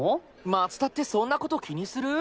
松田ってそんなこと気にするぅ？